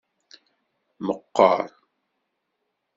Meqqeṛ.